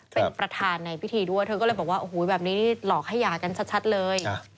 เป็นประธานในพิธีด้วยเธอก็เลยบอกว่าโอ้โหแบบนี้นี่หลอกให้หย่ากันชัดเลย